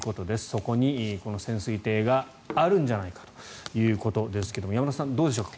そこにこの潜水艇があるんじゃないかということですけれども山田さん、どうでしょうか。